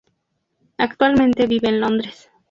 Actualmente vive en Londres.